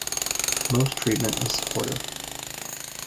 Most treatment is supportive.